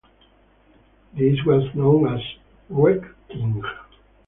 This was known as Wrecking.